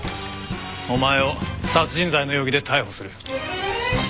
お前を殺人罪の容疑で逮捕する。